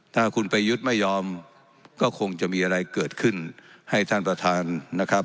ถ้าคุณประยุทธ์ไม่ยอมก็คงจะมีอะไรเกิดขึ้นให้ท่านประธานนะครับ